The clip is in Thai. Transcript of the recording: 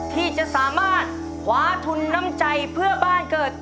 ที่จะสามารถคว้าทุนน้ำใจเพื่อบ้านเกิด